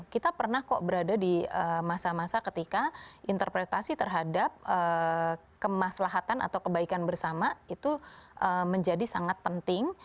kita pernah kok berada di masa masa ketika interpretasi terhadap kemaslahatan atau kebaikan bersama itu menjadi sangat penting